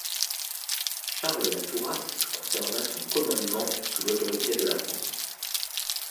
Charles La Tourasse conserva son commandement sous l'autorité de la France.